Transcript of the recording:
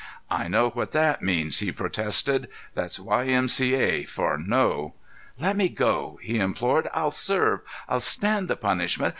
"I know what that means," he protested. "That's Y. M. C. A. for 'no.' Let me go," he implored. "I'll serve. I'll stand the punishment.